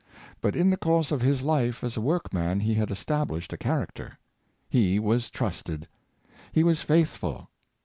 But in the course of his Hfeas a workman he had established a character. He was trusted. He was faithful.